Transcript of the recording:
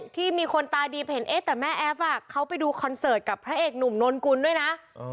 ที่มีคนตาดีเห็นเอ๊ะแต่แม่แอฟเขาไปดูคอนเสิร์ตกับพระเอกหนุ่มนนกุลด้วยนะ